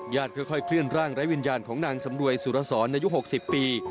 ค่อยเคลื่อนร่างไร้วิญญาณของนางสำรวยสุรสรอายุ๖๐ปี